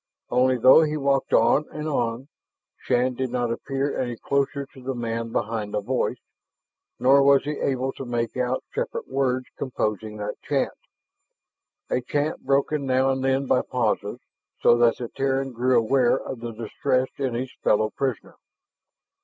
Only, though he walked on and on, Shann did not appear any closer to the man behind the voice, nor was he able to make out separate words composing that chant, a chant broken now and then by pauses, so that the Terran grew aware of the distress of his fellow prisoner.